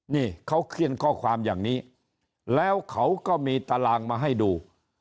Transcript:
นี่เขาเขียนข้อความอย่างนี้แล้วเขาก็มีตารางมาให้ดู